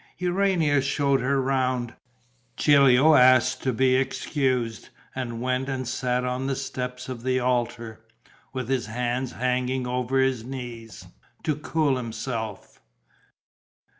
Urania showed her round. Gilio asked to be excused and went and sat on the steps of the altar, with his hands hanging over his knees, to cool himself.